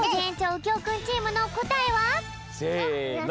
うきょうくんチームのこたえは？せの。